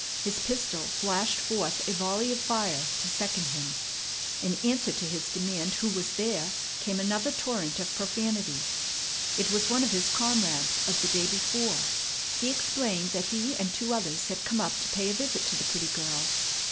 His pistol flashed forth a volley of fire to second him. In answer to his demand who was there came another torrent of profanity. It was one of his comrades of the day before. He explained that he and two others had come up to pay a visit to the pretty girl.